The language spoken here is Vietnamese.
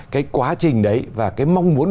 cái quá trình đấy và cái mong muốn